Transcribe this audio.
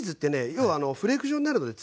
要はフレーク状になるので使い勝手